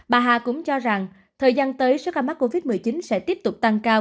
bà hà cũng cho rằng thời gian tới số ca mắc covid một mươi chín sẽ tiếp tục tăng cao